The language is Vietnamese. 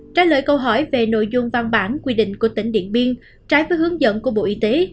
trả lời câu hỏi về nội dung văn bản quy định của tỉnh điện biên trái với hướng dẫn của bộ y tế